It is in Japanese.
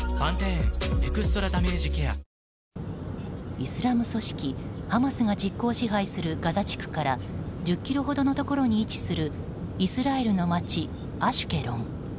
イスラム組織ハマスが実効支配するガザ地区から１０ｋｍほどのところに位置するイスラエルの街アシュケロン。